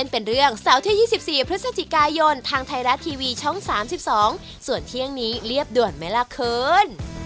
โปรดติดตามตอนต่อไป